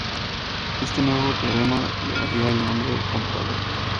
Este nuevo teorema llevaría el nombre del comprador.